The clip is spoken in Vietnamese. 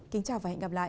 kính chào và hẹn gặp lại